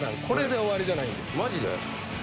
これで終わりじゃないんです。